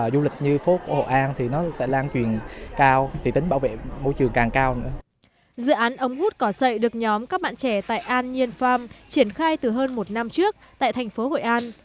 dự án ống hút cỏ sậy được nhóm các bạn trẻ tại an nhiên farm triển khai từ hơn một năm trước tại thành phố hội an